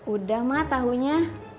udah mah tahunya